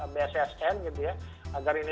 bssn gitu ya agar ini